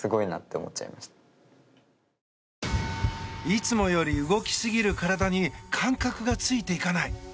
いつもより動きすぎる体に感覚がついていかない。